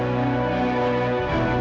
amir ibu sakit ibu